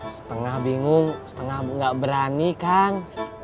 setengah bingung setengah gak berani kang